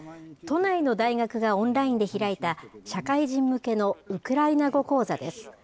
都内の大学がオンラインで開いた、社会人向けのウクライナ語講座です。